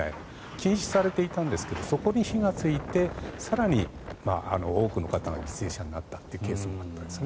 禁止されていたんですがそこに火がついて更に多くの方が犠牲者になったケースもあったんです。